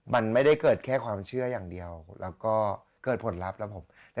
มันไม่ได้เกิดแค่ความเชื่ออย่างเดียวแล้วก็เกิดผลลัพธ์ครับผม